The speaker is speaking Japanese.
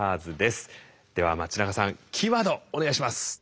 では町永さんキーワードお願いします。